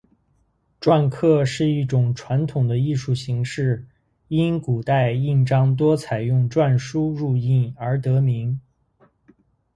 篆刻是一种传统的艺术形式，因古代印章多采用篆书入印而得名。